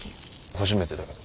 初めてだけど。